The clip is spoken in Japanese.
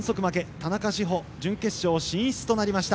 田中志歩が準決勝進出となりました。